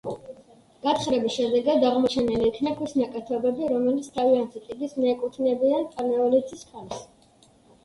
გათხრების შედეგად აღმოჩენილი იქნა ქვის ნაკეთობები, რომელიც თავიანთი ტიპით მიეკუთვნებიან პალეოლითის ხანას.